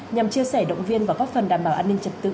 nhằm chia sẻ động viên và góp phần đảm bảo an ninh trật tự